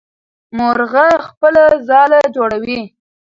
مرغه خپله ځاله جوړوي.